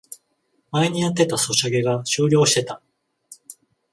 前にやってたソシャゲが終了してた